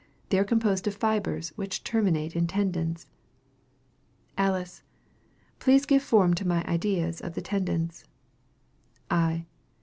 They are composed of fibres, which terminate in tendons. Alice. Please give form to my ideas of the tendons. _I.